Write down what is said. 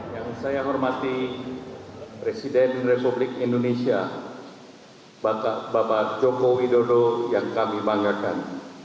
yang saya hormati presiden republik indonesia bapak bapak joko widodo yang kami banggakan